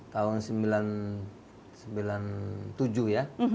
tahun sembilan puluh tujuh ya